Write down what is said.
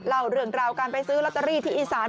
เล่าเรื่องราวการไปซื้อลอตเตอรี่ที่อีสาน